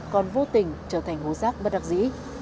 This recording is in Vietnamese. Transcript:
còn vô tình trở thành hố rác bất đắc dĩ